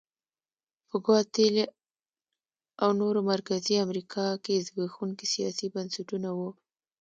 په ګواتیلا او نورو مرکزي امریکا کې زبېښونکي سیاسي بنسټونه وو.